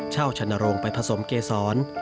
เช่าชนโรงไปผสมเกษร